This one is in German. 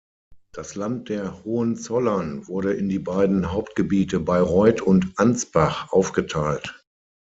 Das Land der Hohenzollern wurde in die beiden Hauptgebiete Bayreuth und Ansbach aufgeteilt.